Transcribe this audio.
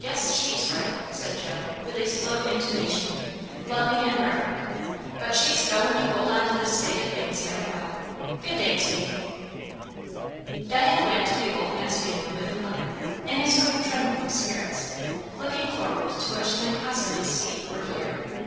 "Wall, I guess she's ripe," said Joe with a slow intonation, loving and reverent; "but she's goin' to hold on to this state o' things yet awhile. Good day t'ye!" Diana went to the old man's funeral with her mother; in a sort of tremble of spirits, looking forward to what she might possibly see or hear.